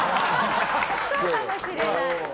そうかもしれない。